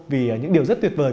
vì những điều rất tuyệt vời